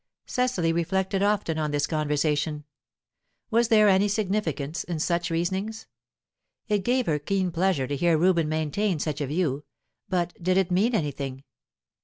Cecily reflected often on this conversation. Was there any significance in such reasonings? It gave her keen pleasure to hear Reuben maintain such a view, but did it mean anything?